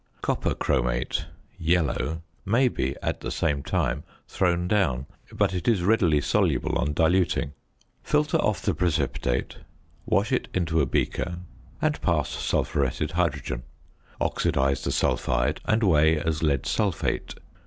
Copper chromate (yellow) may be at the same time thrown down, but it is readily soluble on diluting. Filter off the precipitate; wash it into a beaker and pass sulphuretted hydrogen; oxidise the sulphide and weigh as lead sulphate.